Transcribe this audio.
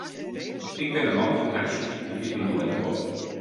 Ik bin in man fan aksje, it giet my noait te bot.